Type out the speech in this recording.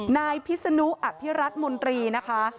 นายพิศนุอภิรัตมนตรีนะคะ